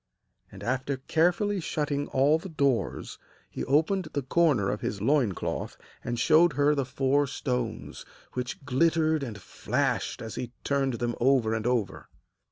And, after carefully shutting all the doors, he opened the corner of his loin cloth and showed her the four stones, which glittered and flashed as he turned them over and over.